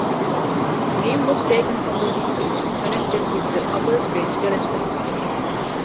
The name was taken from the research connected with the Hubble Space Telescope.